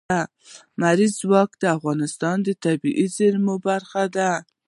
لمریز ځواک د افغانستان د طبیعي زیرمو برخه ده.